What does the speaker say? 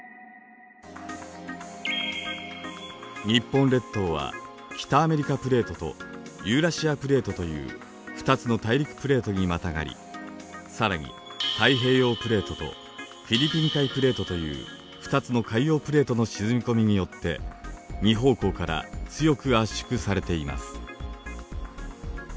日本列島は北アメリカプレートとユーラシアプレートという２つの大陸プレートにまたがり更に太平洋プレートとフィリピン海プレートという２つの海洋プレートの沈み込みによって２方向から強く圧縮されています。